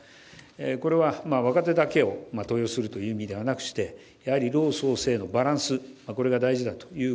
これは若手だけを登用するという意味ではなくしてやはり老壮青のバランスが大事だと。